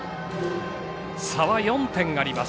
差は４点あります。